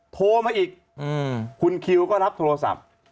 โทรมาอีกคุณคิวก็รับโทรศัพท์